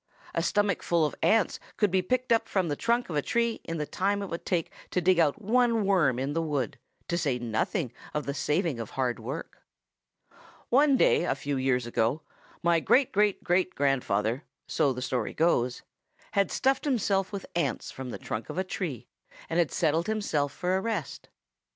A stomachful of ants could be picked from the trunk of a tree in the time it would take to dig out one worm in the wood, to say nothing of the saving of hard work. "One day a few years ago my great great great grandfather, so the story goes, had stuffed himself with ants from the trunk of a tree and had settled himself for a rest.